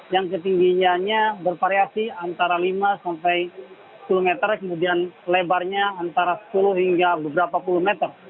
yang ketinggiannya bervariasi antara lima sampai sepuluh meter kemudian lebarnya antara sepuluh hingga beberapa puluh meter